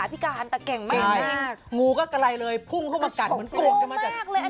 แล้วเขาเก่งเราก็ทึ้บกระทึบ